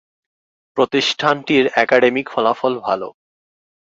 প্রতিষ্ঠানটির একাডেমিক ফলাফল ভালো।